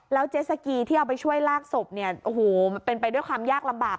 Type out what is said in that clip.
แล้วเจสกีที่เอาไปช่วยลากสบมันเป็นไปด้วยความยากลำบาก